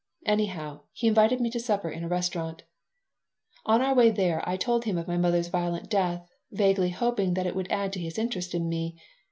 Anyhow, he invited me to supper in a restaurant. On our way there I told him of my mother's violent death, vaguely hoping that it would add to his interest in me.